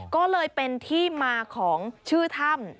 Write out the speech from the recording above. ก็เลยเป็นที่มาของชื่อถ้ำ